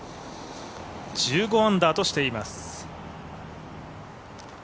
１５アンダーとしています。